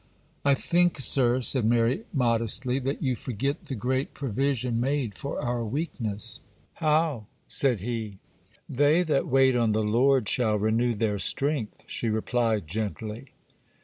'I think, sir,' said Mary, modestly, 'that you forget the great provision made for our weakness.' 'How?' said he. 'They that wait on the Lord shall renew their strength,' she replied, gently.